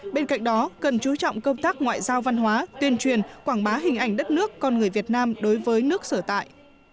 bên cạnh đó cần chú trọng công tác ngoại giao văn hóa tuyên truyền quảng bá hình ảnh đất nước con người việt nam đối với nước sở tại